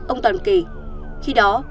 ông toàn kể khi đó